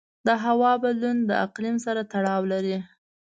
د هوا بدلون د اقلیم سره تړاو لري.